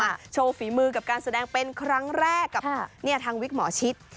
โชว์ฝีมือกับการแสดงเป็นครั้งแรกกับทางวิกหมอชิต